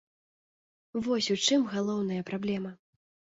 Вось у чым галоўная праблема.